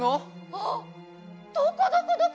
あっどこどこどこ？